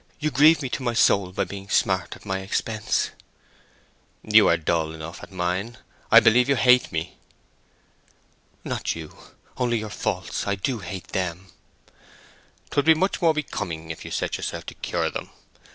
You grieve me to my soul by being smart at my expense." "You are dull enough at mine. I believe you hate me." "Not you—only your faults. I do hate them." "'Twould be much more becoming if you set yourself to cure them.